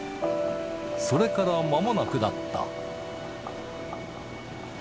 それから間もなくだった。